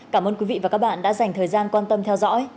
cảm ơn quý vị và các bạn đã dành thời gian quan tâm theo dõi